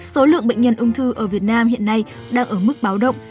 số lượng bệnh nhân ung thư ở việt nam hiện nay đang ở mức báo động